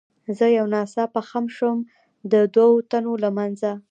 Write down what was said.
زه یو ناڅاپه خم شوم، د دوو تنو له منځه.